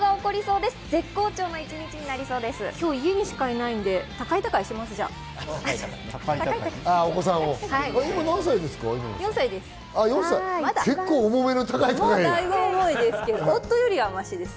今日、家にしかいないので、じゃあ、高い高いします。